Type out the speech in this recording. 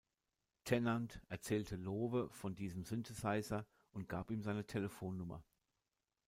Tennant erzählte Lowe von diesem Synthesizer und gab ihm seine Telefonnummer.